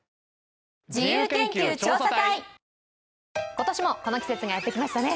今年もこの季節がやってきましたね。